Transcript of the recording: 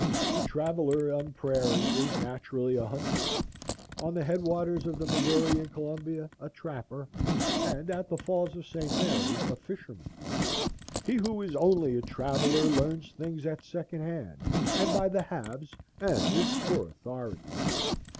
The traveller on the prairie is naturally a hunter, on the head waters of the Missouri and Columbia a trapper, and at the Falls of St. Mary a fisherman. He who is only a traveller learns things at second hand and by the halves, and is poor authority.